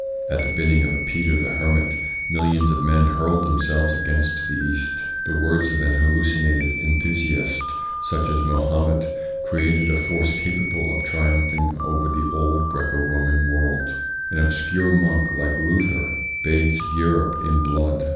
At the bidding of a Peter the Hermit millions of men hurled themselves against the East ; the words of an hallucinated enthusiast such as Mahomet created a force capable of triumph ing over the old Greco Roman world ; an obscure monk like Luther bathed Europe in blood.